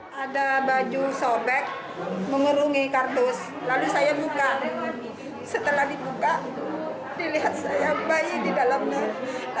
hai ada baju sobek mengerungi kartus lalu saya buka setelah dibuka dilihat saya bayi di dalamnya